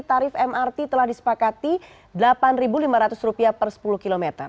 tarif mrt telah disepakati rp delapan lima ratus per sepuluh km